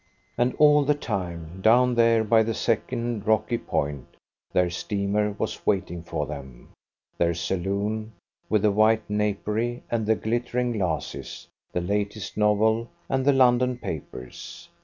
And all the time, down there by the second rocky point, their steamer was waiting for them their saloon, with the white napery and the glittering glasses, the latest novel, and the London papers.